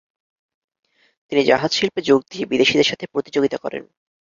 তিনি জাহাজ শিল্পে যোগ দিয়ে বিদেশীদের সাথে প্রতিযোগিতা করেন ।